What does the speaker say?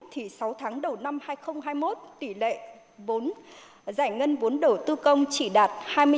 sáu tháng đầu năm hai nghìn hai mươi một tỷ lệ giải ngân vốn đầu tư công chỉ đạt hai mươi chín hai